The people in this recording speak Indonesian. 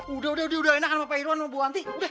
udah udah enak sama pak irwan sama bu wanti